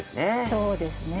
そうですね。